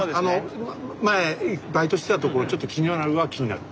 前バイトしてたところちょっと気になるは気になる。